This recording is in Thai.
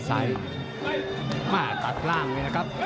มาตัดล่างเลยนะครับ